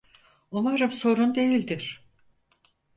Umarım sorun değildir.